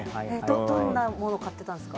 どんなものを買ってたんですか？